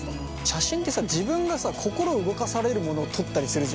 写真ってさ自分が心を動かされるものを撮ったりするじゃん。